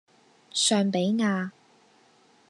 尚比亞